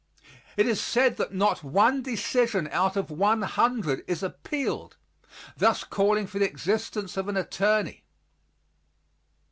It is said that not one decision out of one hundred is appealed, thus calling for the existence of an attorney.